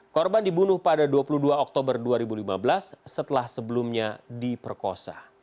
korban dibunuh pada dua puluh dua oktober dua ribu lima belas setelah sebelumnya diperkosa